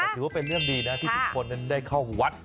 ถือว่าเป็นเรื่องดีนะที่ทุกคนนั้นได้เข้าวัด